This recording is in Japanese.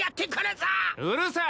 うるさい。